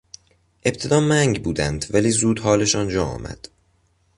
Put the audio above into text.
ابتدا منگ بودند ولی زود حالشان جا آمد.